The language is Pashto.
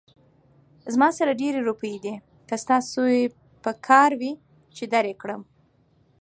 زما سره ډېرې روپۍ دي، که ستاسې پکار وي، چې در يې کړم